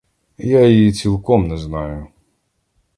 Я її цілком не знаю.